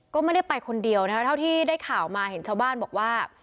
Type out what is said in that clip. ก็ไม่ได้ไปคนเดียวนะคะเท่าที่ได้ข่าวมาเห็นชาวบ้านบอกว่า